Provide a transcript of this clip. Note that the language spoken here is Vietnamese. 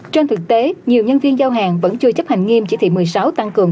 trên thực tế nhiều nhân viên giao hàng vẫn chưa chấp hành nghiêm chỉ thị một mươi sáu tăng cường